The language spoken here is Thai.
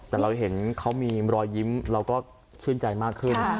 แต่เราเห็นเขามีรอยยิ้มเราก็ชื่นใจมากขึ้น